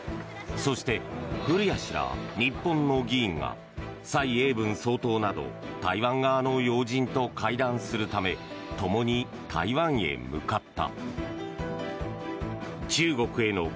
そして、古屋氏ら日本の議員が蔡英文総統など台湾側の要人と会談するため共に台湾へ向かった。